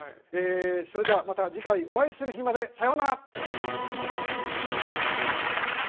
それではまた次回お会いする日までさようなら！